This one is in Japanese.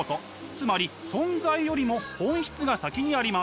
つまり存在よりも本質が先にあります。